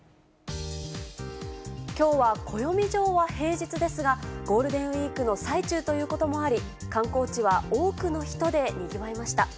きょうは暦上は平日ですが、ゴールデンウィークの最中ということもあり、観光地は多くの人でにぎわいました。